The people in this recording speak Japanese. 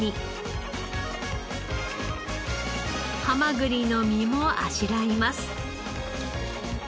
ハマグリの身もあしらいます。